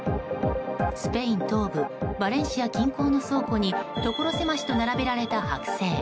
スペイン東部バレンシア近郊の倉庫にところ狭しと並べられた剥製。